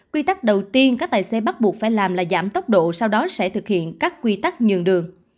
quy tắc đầu tiên các tài xế bắt buộc phải làm là giảm tốc độ sau đó sẽ thực hiện các quy tắc nhường đường